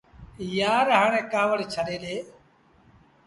يآر هآڻي ڪآوڙ ڇڏي ڏي۔